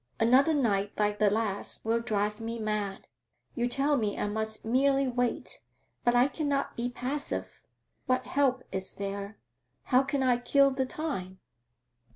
Another night like the last will drive me mad. You tell me I must merely wait; but I cannot be passive. What help is there? How can I kill the time?'